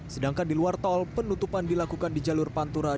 sedangkan di luar tol penutupan dilakukan di jalur pantura